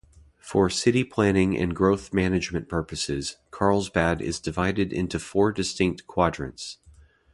For city planning and growth management purposes, Carlsbad is divided into four distinct quadrants.